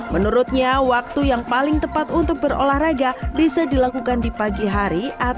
menurutnya waktu yang paling tepat untuk berolahraga bisa dilakukan di pagi hari